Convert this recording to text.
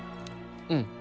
うん。